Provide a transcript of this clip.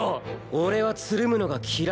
俺はつるむのが嫌いなんだ。